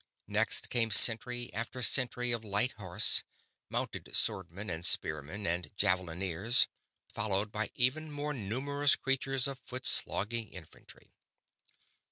Next came century after century of light horse mounted swordsmen and spearmen and javelineers followed by even more numerous centuries of foot slogging infantry.